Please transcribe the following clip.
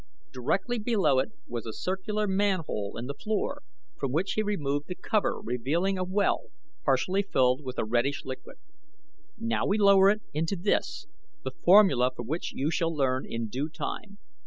Directly below it was a circular manhole in the floor from which he removed the cover revealing a well partially filled with a reddish liquid. "Now we lower it into this, the formula for which you shall learn in due time.